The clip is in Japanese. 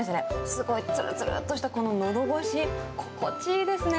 すごいつるつるっとしたこののどごし、心地いいですね。